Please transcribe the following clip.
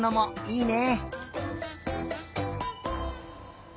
いいね！